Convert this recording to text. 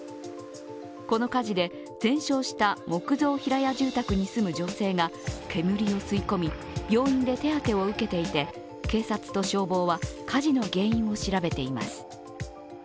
この火事で、全焼した木造平屋住宅に住む女性が煙を吸い込み病院で手当てを受けていて警察と消防は火事の原因を調べています。